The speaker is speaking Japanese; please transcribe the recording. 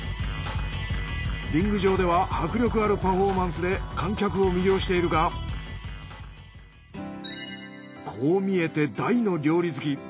リング上では迫力あるパフォーマンスで観客を魅了しているがこう見えて大の料理好き。